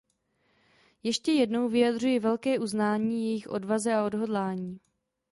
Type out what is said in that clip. Ještě jednou vyjadřuji velké uznání jejich odvaze a odhodlání.